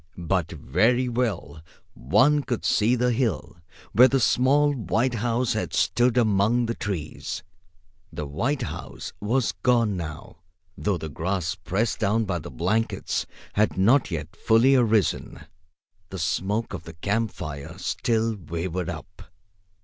But very well one could see the hill where the small white house had stood among the trees. The white house was gone now, though the grass pressed down by the blankets had not yet fully arisen. The smoke of the camp fire still wavered up.